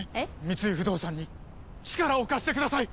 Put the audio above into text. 三井不動産に力を貸してください！